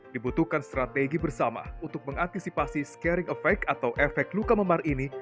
dibutuhkan strategi bersama untuk mengantisipasi scaring effect atau efek luka memar ini